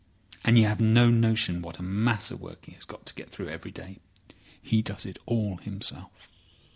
And you have no notion what a mass of work he has got to get through every day. He does it all himself.